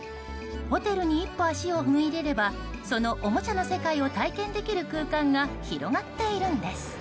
ホテルに１歩足を踏み入れればそのおもちゃの世界を体験できる空間が広がっているんです。